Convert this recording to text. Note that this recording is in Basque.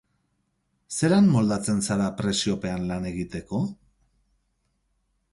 Zelan moldatzen zara presiopean lan egiteko?